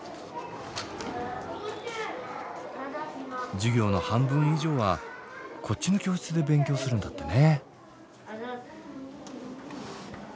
授業の半分以上はこっちの教室で勉強するんだってね。